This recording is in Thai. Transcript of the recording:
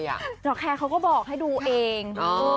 ดอกแคร์เขาก็บอกให้ดูเอง